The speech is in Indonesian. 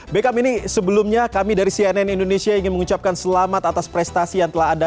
bekam ini sebelumnya kami dari cnn indonesia ingin mengucapkan selamat atas prestasi yang telah ada